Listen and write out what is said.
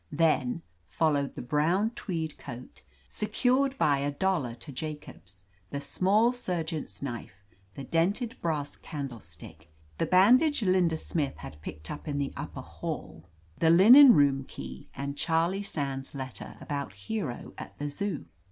Then fdlowed the brown tweed coot, secured by a dollar to Ja cobs, the small surgeon's knife^ the dented brass candlestick, the bandage Lmda Smith had picked up in the upper hall^ the linen i6o OF LETITIA CARBERRY room key, and Charlie Sands' letter about Hero at the Zoo.